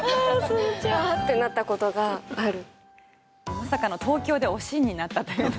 まさかの東京で「おしん」になったという。